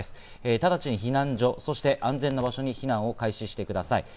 ただちに避難所、そして安全な場所に避難を開始してください。